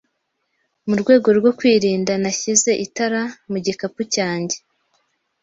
Mu rwego rwo kwirinda, nashyize itara mu gikapu cyanjye.